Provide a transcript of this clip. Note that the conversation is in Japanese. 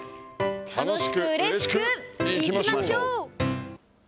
楽しくうれしくいきましょう。